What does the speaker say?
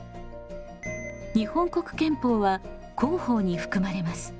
日本国憲法は公法に含まれます。